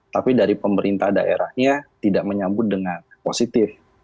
tapi dari pemerintah daerahnya tidak menyambut dengan positif